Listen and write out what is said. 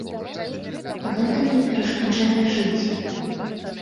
Гэта мне перашкаджае жыць.